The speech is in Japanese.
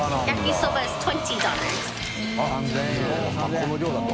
この量だと。